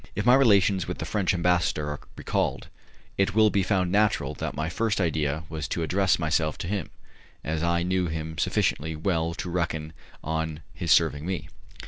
If my relations with the French ambassador are recalled, it will be found natural that my first idea was to address myself to him, as I knew him sufficiently well to reckon on his serving me.